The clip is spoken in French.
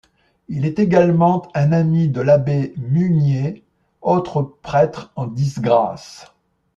Il est également un ami de l'abbé Mugnier, autre prêtre en disgrâce.